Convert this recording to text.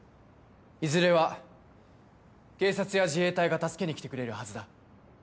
いずれは警察や自衛隊が助けに来てくれるはずだ。